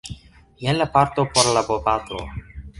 Jen la parto por la bopatro